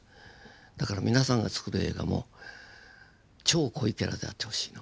だから皆さんがつくる映画も超濃いキャラであってほしいの。